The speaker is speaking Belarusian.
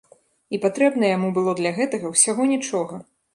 І патрэбна было яму для гэтага ўсяго нічога!